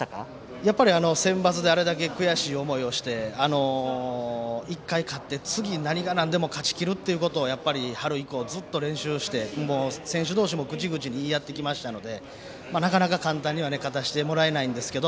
やっぱりあれだけ悔しい思いをして１回勝って、次、何がなんでも勝ちきるということを春以降、ずっと練習して選手同士も口々に言い合ってきましたのでなかなか簡単には勝たせてもらえないんですけど